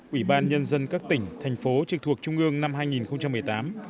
ủy ban nhân dân các tỉnh thành phố trực thuộc trung ương năm hai nghìn một mươi tám